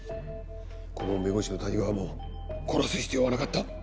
顧問弁護士の谷川も殺す必要はなかった。